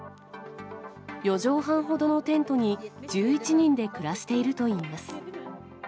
四畳半ほどのテントに１１人で暮らしているといいます。